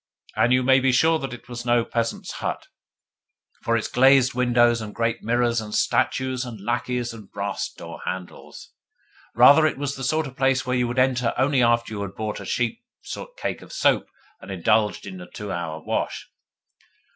And you may be sure that it was no peasant's hut, with its glazed windows and great mirrors and statues and lacqueys and brass door handles! Rather, it was the sort of place which you would enter only after you had bought a cheap cake of soap and indulged in a two hours' wash.